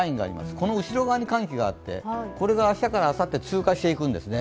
この後ろ側に寒気があって、これが明日からあさって通過していくんですね。